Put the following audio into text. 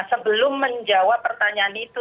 sebelum menjawab pertanyaan itu